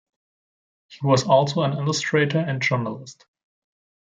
He was also an illustrator, and journalist.